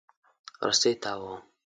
رسۍ تاووم.